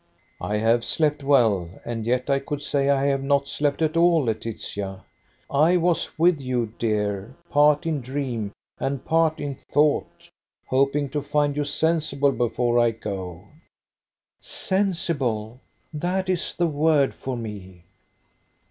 "I have slept well, and yet I could say I have not slept at all, Laetitia. I was with you, dear, part in dream and part in thought: hoping to find you sensible before I go." "Sensible. That is the word for me."